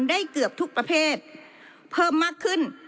เกือบทุกประเภทเพิ่มมากขึ้น